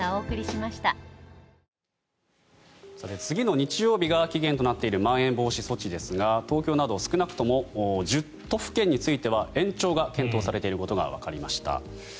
次の日曜日が期限となっているまん延防止措置ですが東京など少なくとも１０都府県については延長が検討されていることがわかりました。